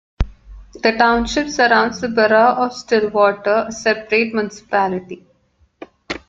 The township surrounds the borough of Stillwater, a separate municipality.